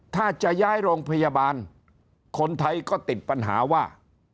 ถ้าจะย้ายโรงพยาบาลคนไทยก็ติดปัญหาว่า